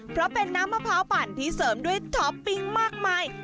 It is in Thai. เพราะเป็นน้ำมะพร้าวปั่นที่เสริมด้วยท็อปปิ้งมากมาย